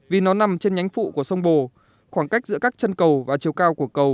vì nó nằm trên nhánh phụ của sông bồ khoảng cách giữa các chân cầu và chiều cao của cầu